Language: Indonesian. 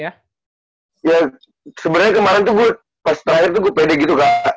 ya sebenernya kemarin tuh gua pas terakhir tuh gua pede gitu kak